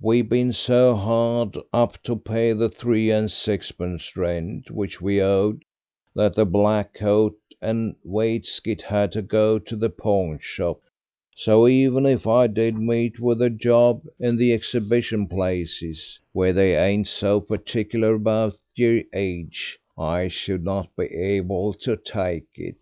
We've been so hard up to pay the three and sixpence rent which we've owed, that the black coat and waistkit had to go to the pawnshop, so even if I did meet with a job in the Exhibition places, where they ain't so particular about yer age, I should not be able to take it.